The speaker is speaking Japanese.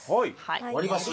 割り箸。